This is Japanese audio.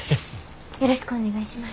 よろしくお願いします。